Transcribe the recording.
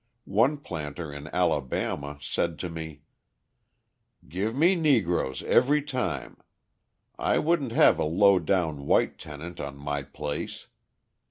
One planter in Alabama said to me: "Give me Negroes every time. I wouldn't have a low down white tenant on my place.